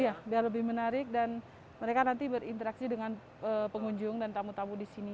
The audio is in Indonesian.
iya biar lebih menarik dan mereka nanti berinteraksi dengan pengunjung dan tamu tamu di sini